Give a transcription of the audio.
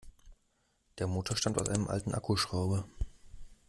Der Motor stammt aus einem alten Akkuschrauber.